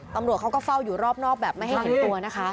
ตำรวจฝ่าอยู่รอบนอกแบบไม่ให้เห็นตัว